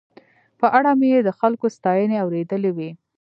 په اړه مې یې د خلکو ستاينې اورېدلې وې.